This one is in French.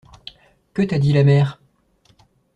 Que t'a dit la mère?